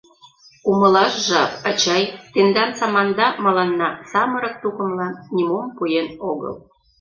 Умылаш жап, ачай, тендан саманда мыланна, самырык тукымлан, нимом пуэн огыл.